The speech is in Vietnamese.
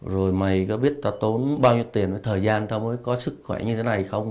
rồi mày có biết ta tốn bao nhiêu tiền với thời gian ta mới có sức khỏe như thế này không